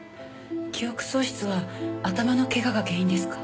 記憶喪失は頭のけがが原因ですか？